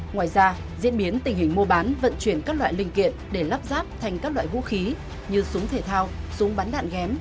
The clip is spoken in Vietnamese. ngoài ra diễn biến tình hình mua bán vận chuyển các loại linh kiện để lắp ráp thành các loại vũ khí như súng thể thao súng bắn đạn ghém